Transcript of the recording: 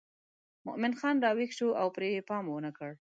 مومن خان راویښ شو او پرې یې پام ونه کړ.